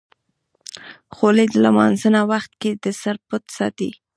خولۍ د لمانځه وخت کې د سر پټ ساتي.